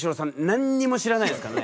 何にも知らないですからね。